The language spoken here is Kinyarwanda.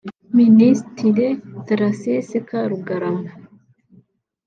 Minisitire Tharcisse Karugarama